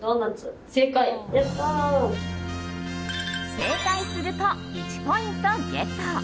正解すると１ポイントゲット！